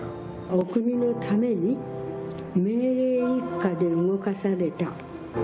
お国のために命令一下で動かされた。